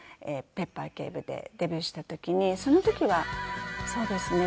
『ペッパー警部』でデビューした時にその時はそうですね。